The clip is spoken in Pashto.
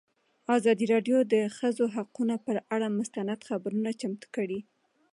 ازادي راډیو د د ښځو حقونه پر اړه مستند خپرونه چمتو کړې.